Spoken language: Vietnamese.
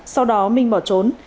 sau đó minh bỏ trốn